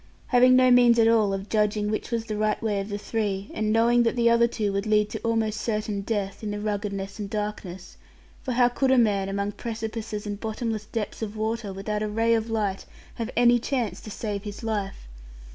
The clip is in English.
Having no means at all of judging which was the right way of the three, and knowing that the other two would lead to almost certain death, in the ruggedness and darkness, for how could a man, among precipices and bottomless depths of water, without a ray of light, have any chance to save his life?